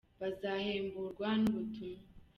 Bazanahemburwa nubutumwa